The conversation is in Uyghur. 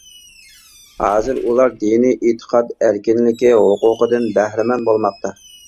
ھازىر ئۇلار دىنىي ئېتىقاد ئەركىنلىكى ھوقۇقىدىن بەھرىمەن بولماقتا.